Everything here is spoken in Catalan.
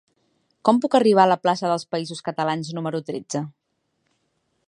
Com puc arribar a la plaça dels Països Catalans número tretze?